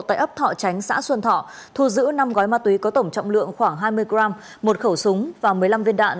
tại ấp thọ tránh xã xuân thọ thu giữ năm gói ma túy có tổng trọng lượng khoảng hai mươi g một khẩu súng và một mươi năm viên đạn